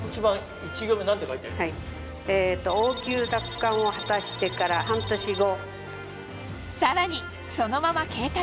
「王宮奪還を果たしてから半年後」。